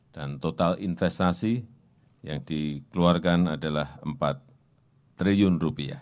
dan total investasi yang dikeluarkan adalah rp empat triliun